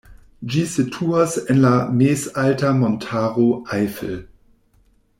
Ĝi situas en la mezalta montaro Eifel.